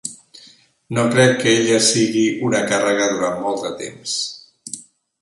No crec que ella sigui una càrrega durant molt de temps.